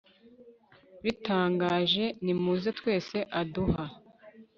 bitangaje; nimuze twese . aduha